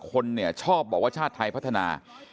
คุณวราวุฒิศิลปะอาชาหัวหน้าภักดิ์ชาติไทยพัฒนา